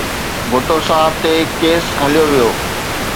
ڀٽو صاحب تي ڪيس هليو ويو.